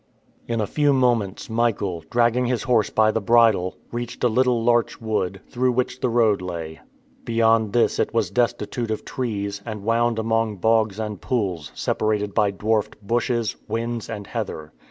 In a few moments Michael, dragging his horse by the bridle, reached a little larch wood, through which the road lay. Beyond this it was destitute of trees, and wound among bogs and pools, separated by dwarfed bushes, whins, and heather.